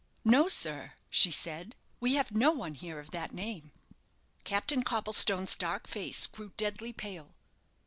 "No, sir," she said, "we have no one here of that name." Captain Copplestone's dark face grew deadly pale.